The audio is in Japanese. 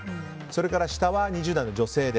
それから、２０代の女性。